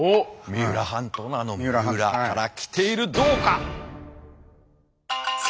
三浦半島の「三浦」から来ているどうか？